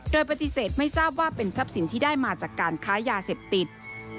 โดยปฏิเสธไม่ทราบว่าเป็นทรัพย์สินที่ได้มาจากการค้ายาเสพติด